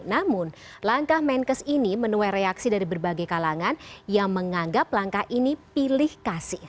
namun langkah menkes ini menuai reaksi dari berbagai kalangan yang menganggap langkah ini pilih kasih